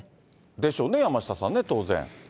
でしょうね、山下さんね、当然。